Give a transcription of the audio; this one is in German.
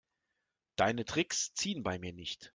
Deine Tricks ziehen bei mir nicht.